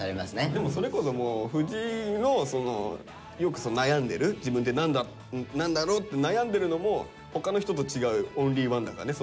でもそれこそ藤井のよく悩んでる自分で何だろうって悩んでるのも他の人と違うオンリーワンだからだね。